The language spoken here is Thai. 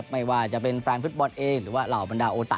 ไม่ว่าจะเป็นแฟนฟุตบอลเองหรือว่าเหล่าบรรดาโอตะ